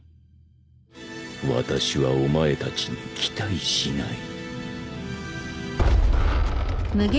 私はお前たちに期待しない。